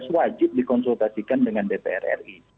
wajib dikonsultasikan dengan dpr ri